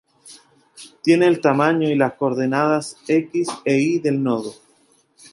Tiene el tamaño y las coordenadas X e Y del nodo.